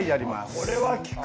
これは効く。